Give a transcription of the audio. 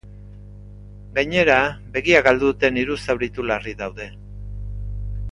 Gainera, begia galdu duten hiru zauritu larri daude.